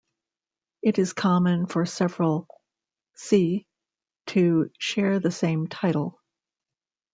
It is common for several "ci" to share the same title.